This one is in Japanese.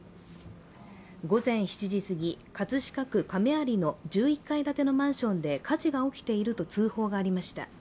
午前７時過ぎ、葛飾区亀有の１１階建てのマンションで火事が起きていると通報がありました。